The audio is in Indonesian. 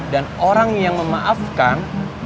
dan orang yang memaafkan